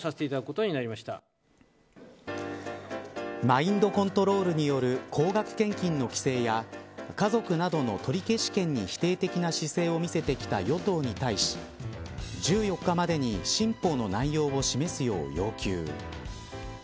マインドコントロールによる高額献金の規制や家族などの取り消し権に否定的な姿勢を見せてきた与党に対し１４日までに新法の内容を示すよう要求。